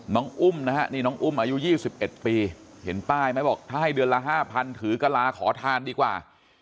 อุ้มนะฮะนี่น้องอุ้มอายุ๒๑ปีเห็นป้ายไหมบอกถ้าให้เดือนละ๕๐๐ถือกะลาขอทานดีกว่า